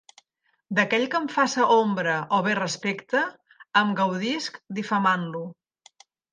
D’aquell que em faça ombra o bé respecte, em gaudisc difamant-lo.